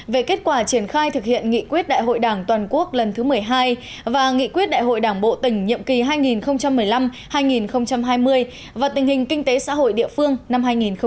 về kết quả triển khai thực hiện nghị quyết đại hội đảng toàn quốc lần thứ một mươi hai và nghị quyết đại hội đảng bộ tỉnh nhiệm kỳ hai nghìn một mươi năm hai nghìn hai mươi và tình hình kinh tế xã hội địa phương năm hai nghìn hai mươi